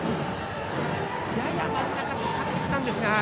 やや真ん中高めにきたんですが。